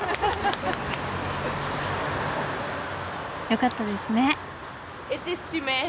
よかったですね。